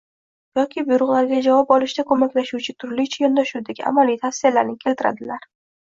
yoki buyruqlariga javob olishda ko‘maklashuvchi turlicha yondoshuvdagi amaliy tavsiyalarni keltiradilar.